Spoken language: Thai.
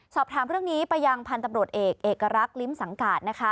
สอบถามเรื่องนี้ประยังพันธุ์ตำรวจเอกเมื่อเป็นเอกรักษณ์ริมสังกาล